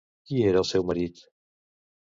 Qui era el seu marit?